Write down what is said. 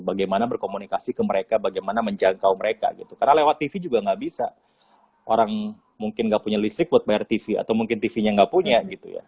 bagaimana berkomunikasi ke mereka bagaimana menjangkau mereka gitu karena lewat tv juga nggak bisa orang mungkin nggak punya listrik buat bayar tv atau mungkin tv nya nggak punya gitu ya